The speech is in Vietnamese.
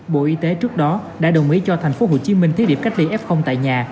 bộ y tế trước đó đã đồng ý cho tp hcm thiết điệp cách ly f tại nhà